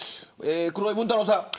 黒井文太郎さん